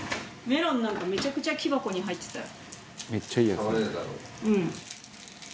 メロンなんかめちゃくちゃ木箱に入ってたよ。